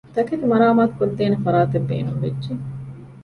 ތަކެތި މަރާމާތުކޮށްދޭނެ ފަރާތެއް ބޭނުންވެއްޖެ